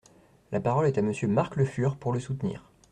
La parole est à Monsieur Marc Le Fur, pour le soutenir.